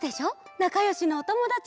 なかよしのおともだち。